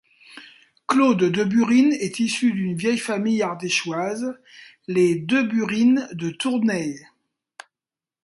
Claude de Burine est issue d'une vieille famille ardéchoise les de Burine de Tournays.